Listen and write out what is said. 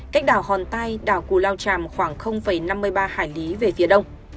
cách đảo hòn tai đảo cù lao tràm khoảng năm mươi ba hải lý về phía đông